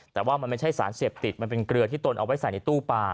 แต่ว่ามันไม่ใช่สารเสพติดมันเป็นเกลือที่ตนเอาไว้ใส่ในตู้ปลา